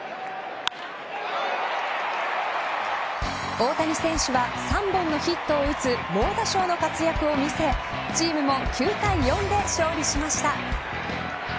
大谷選手は３本のヒットを打つ猛打賞の活躍を見せチームも９対４で勝利しました。